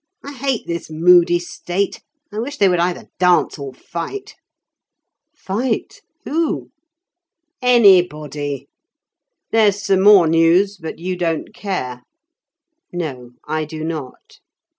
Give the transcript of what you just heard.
I hate this moody state. I wish they would either dance or fight." "Fight! who?" "Anybody. There's some more news, but you don't care." "No. I do not."